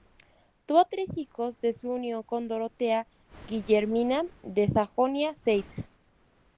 Tuvo tres hijos de su unión con Dorotea Guillermina de Sajonia-Zeitz.